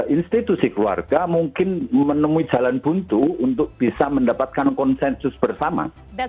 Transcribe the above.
institusi keluarga mungkin menemui jalan buntu untuk bisa mendapatkan konsensus bersama